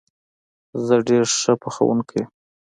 زه ډېره ښه پخوونکې یم